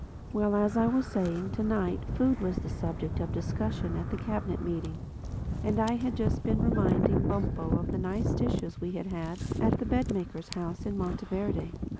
Well, as I was saying, to night food was the subject of discussion at the Cabinet Meeting; and I had just been reminding Bumpo of the nice dishes we had had at the bed maker's house in Monteverde.